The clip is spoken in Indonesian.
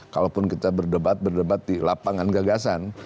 kalaupun kita berdebat berdebat di lapangan gagasan